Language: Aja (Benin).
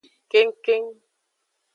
Kengkeng.